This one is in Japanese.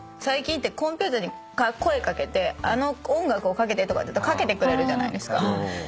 最近ってコンピューターに声かけてあの音楽をかけてとか言うとかけてくれるじゃないですか。